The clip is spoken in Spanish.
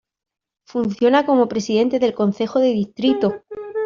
Funciona como presidente del Concejo de Distrito.